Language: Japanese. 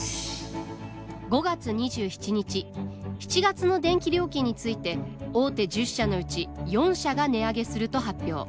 ５月２７日７月の電気料金について大手１０社のうち４社が値上げすると発表。